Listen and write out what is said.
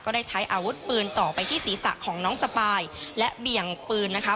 ได้ใช้อาวุธปืนเจาะไปที่ศีรษะของน้องสปายและเบี่ยงปืนนะคะ